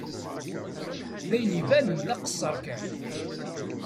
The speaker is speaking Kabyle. D ayen ibanen d aqeṣṣer kan!